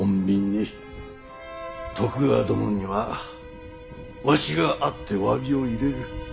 徳川殿にはわしが会って詫びを入れる。